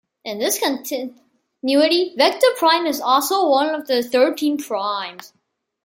In this continuity, Vector Prime is also one of the Thirteen Primes.